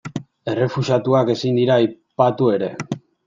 Errefuxiatuak ezin dira aipatu ere.